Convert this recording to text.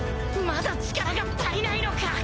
まだ力が足りないのか！